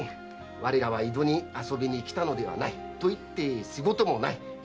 我らは江戸に遊びに来たのではない。と言って仕事もない。